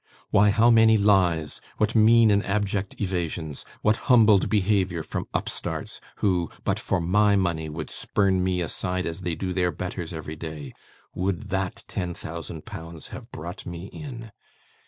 Why, how many lies, what mean and abject evasions, what humbled behaviour from upstarts who, but for my money, would spurn me aside as they do their betters every day, would that ten thousand pounds have brought me in!